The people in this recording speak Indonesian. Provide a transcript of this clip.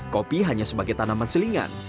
kopi hanya sebagai tanaman selingan